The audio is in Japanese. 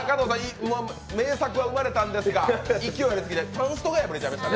名作は生まれたんですが、勢いありすぎてパンストが破れちゃいました。